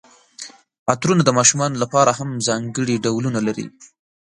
عطرونه د ماشومانو لپاره هم ځانګړي ډولونه لري.